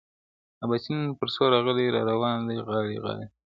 اباسین پر څپو راغی را روان دی غاړي غاړي-